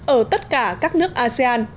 ở tất cả các nước asean